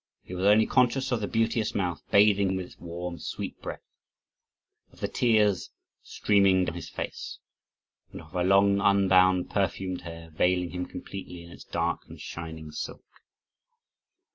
He was only conscious of the beauteous mouth bathing him with its warm, sweet breath, of the tears streaming down his face, and of her long, unbound perfumed hair, veiling him completely in its dark and shining silk.